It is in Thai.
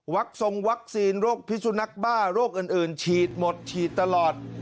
ทรงวัคซีนโรคพิสุนักบ้าโรคอื่นฉีดหมดฉีดตลอด